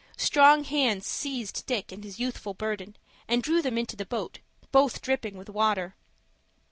Strong hands seized Dick and his youthful burden, and drew them into the boat, both dripping with water.